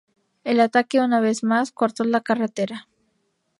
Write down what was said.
El ataque una vez más cortó la carretera.